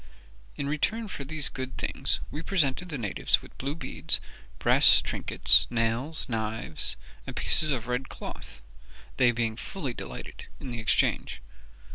In return for these good things we presented the natives with blue beads, brass trinkets, nails, knives, and pieces of red cloth, they being fully delighted in the exchange.